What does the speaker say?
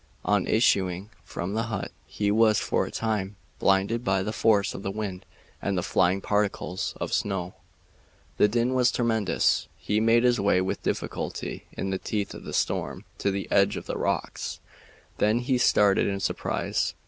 On issuing from the hut he was for a time blinded by the force of the wind and the flying particles of snow. The din was tremendous. He made his way with difficulty in the teeth of the storm to the edge of the rocks. Then he started in surprise.